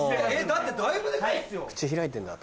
だってだいぶデカいっすよ。